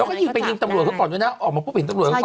วก็ยิงไปยิงกับตำรวจก่อนนะออกมาพวกเกิดกันตำรวจค่อนข้าง